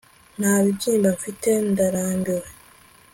Nta bibyimba mfite ndarambiwe